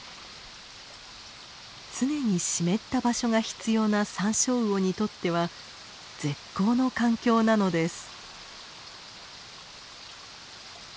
常に湿った場所が必要なサンショウウオにとっては絶好の環境なのです。